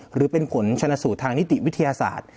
หรือเป็นผลชนสูตรทางนิติวิทยาศาสตร์